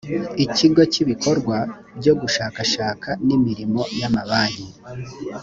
ikigo cy’ibikorwa byo gushakashaka n’imirimo y’amabanki